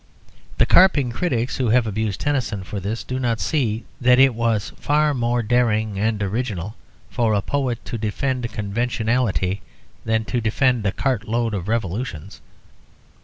The carping critics who have abused Tennyson for this do not see that it was far more daring and original for a poet to defend conventionality than to defend a cart load of revolutions.